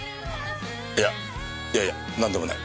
いやいやいやなんでもない。